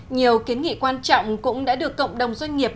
nhiều kiến nghị quan trọng cũng đã được cộng đồng doanh nghiệp